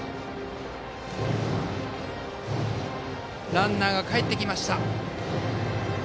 ランナーがかえってきました。